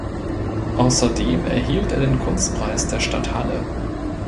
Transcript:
Außerdem erhielt er den Kunstpreis der Stadt Halle.